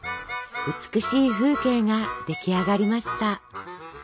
美しい風景が出来上がりました。